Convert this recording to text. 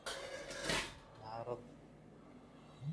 Neɛreḍ.